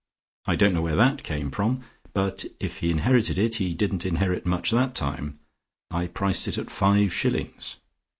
I don't know where that came from, but if he inherited it, he didn't inherit much that time, I priced it at five shillings.